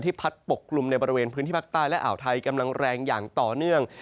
พัดปกกลุ่มในบริเวณพื้นที่ภาคใต้และอ่าวไทยกำลังแรงอย่างต่อเนื่อง